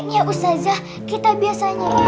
ya ustazah kita biasanya